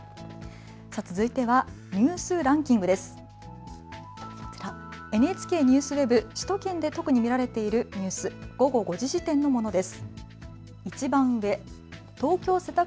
続いてはニュースランキングです。